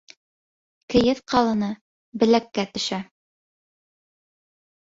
Кейеҙ ҡалыны беләккә төшә.